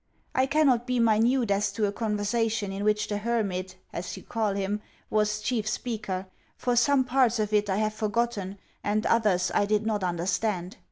I cannot be minute as to a conversation in which the hermit (as you call him) was chief speaker; for some parts of it I have forgotten, and others I did not understand.